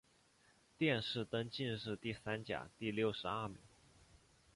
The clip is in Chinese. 殿试登进士第三甲第六十二名。